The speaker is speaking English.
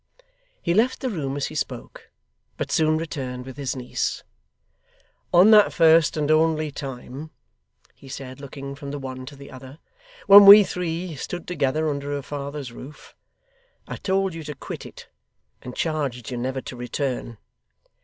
He left the room as he spoke; but soon returned with his niece. 'On that first and only time,' he said, looking from the one to the other, 'when we three stood together under her father's roof, I told you to quit it, and charged you never to return.